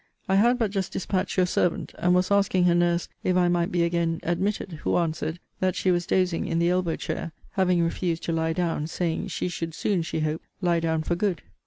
I had but just dispatched your servant, and was asking her nurse if I might be again admitted? Who answered, that she was dozing in the elbow chair, having refused to lie down, saying, she should soon, she hoped, lie down for good.